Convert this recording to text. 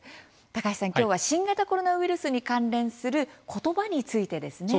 高橋さん、今日は新型コロナウイルスに関連する言葉についてですね。